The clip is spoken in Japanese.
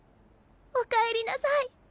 おかえりなさい。